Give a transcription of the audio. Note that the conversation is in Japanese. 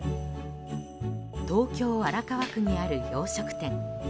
東京・荒川区にある洋食店。